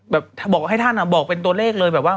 บอกให้ท่านบอกเป็นตัวเลขเลยแบบว่า